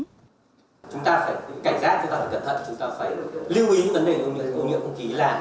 chúng ta phải cảnh giác chúng ta phải cẩn thận chúng ta phải lưu ý vấn đề ô nhiễm không khí là